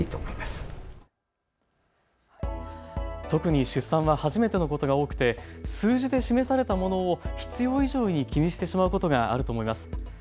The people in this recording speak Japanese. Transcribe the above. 特に出産は初めてのことが多くて数字で示されたものを必要以上に気にしてしまうこともあると思います。